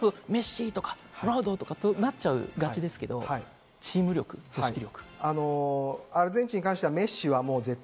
メッシとか、ロナウドってなっちゃいがちですけど、チーム力、組織力。